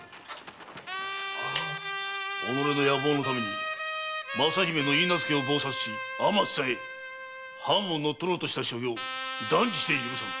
己の野望のために雅姫の許婚を謀殺しあまつさえ藩を乗っ取ろうとした所行断じて許せん！